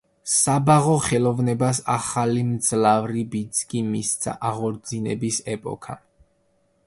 საბაღო ხელოვნებას ახალი მძლავრი ბიძგი მისცა აღორძინების ეპოქამ.